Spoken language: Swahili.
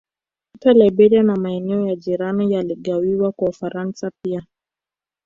Hata Liberia na maeneo ya jirani yaligawiwa kwa Ufaransa pia